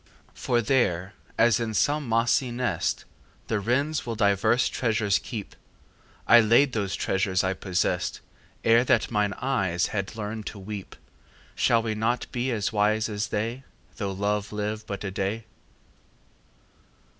For there, as in some mossy nest The wrens will divers treasures keep, I laid those treasures I possessed Ere that mine eyes had learned to weep. Shall we not be as wise as they Though love live but a day?